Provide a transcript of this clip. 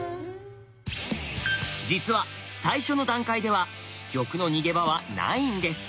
実は最初の段階では玉の逃げ場はないんです。